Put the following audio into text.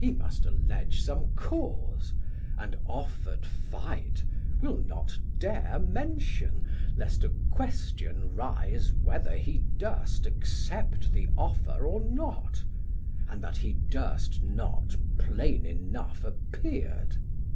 Sam: He must allege some cause, and offer'd fight Will not dare mention, lest a question rise Whether he durst accept the offer or not, And that he durst not plain enough appear'd.